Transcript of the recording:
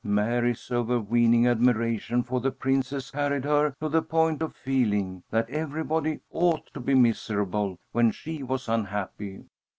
Mary's overweening admiration for the Princess carried her to the point of feeling that everybody ought to be miserable when she was unhappy.